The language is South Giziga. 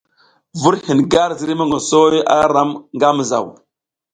Vur hin gar ziriy mongoso a ra ram nga mizaw.